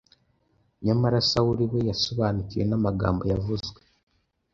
Nyamara Sawuli we yasobanukiwe n’amagambo yavuzwe